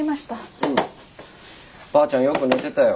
ばあちゃんよく寝てたよ。